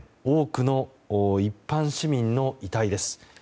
多くの一般市民の遺体です。